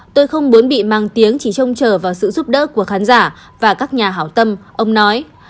tôi không muốn bị mang tiếng chỉ trông chờ vào sự giúp đỡ của khán giả và các nhà hảo tâm ông nói